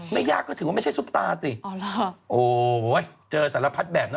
ไม่ยากก็ถือว่าไม่ใช่ซุปตาสิโอ้โหเจอสารพัดแบบเนอะ